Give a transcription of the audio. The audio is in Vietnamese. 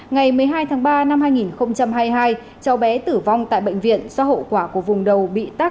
ngày một mươi hai tháng ba năm hai nghìn hai mươi hai cháu bé tử vong tại bệnh viện do hậu quả của vùng đầu bị tác